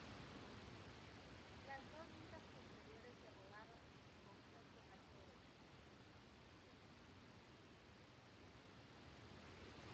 Las dos cintas posteriores se rodaron con otros actores.